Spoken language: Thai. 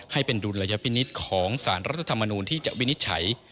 ให้เป็นดุลยพินิษฐ์ของสารรัฐธรรมนูลที่จะวินิจฉัย